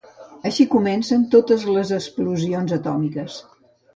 Així comencen totes les explosions atòmiques.